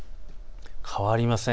変わりません。